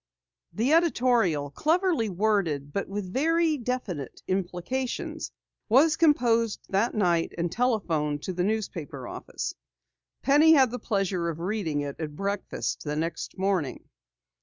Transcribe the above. The editorial, cleverly worded but with very definite implications, was composed that night, and telephoned to the newspaper office. Penny had the pleasure of reading it at breakfast the next morning.